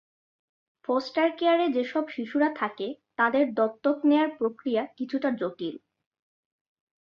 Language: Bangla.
ফস্টার কেয়ারে যেসব শিশুরা থাকে, তাঁদের দত্তক নেওয়ার প্রক্রিয়া কিছুটা জটিল।